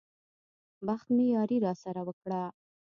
بخت مې ياري راسره وکړه.